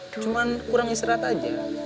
cuma kurang istirahat aja